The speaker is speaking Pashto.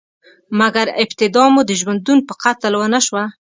مګر، ابتدا مو د ژوندون په قتل ونشوه؟